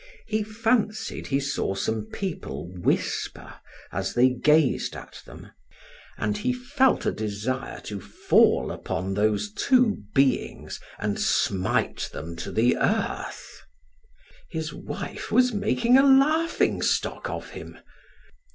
He fancied he saw some people whisper, as they gazed at them, and he felt a desire to fall upon those two beings and smite them to the earth. His wife was making a laughing stock of him.